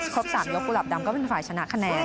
๓ยกกุหลับดำก็เป็นฝ่ายชนะคะแนน